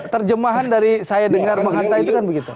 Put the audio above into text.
terjemahan dari saya dengar bang hanta itu kan begitu